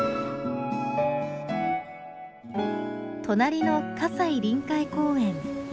隣の西臨海公園。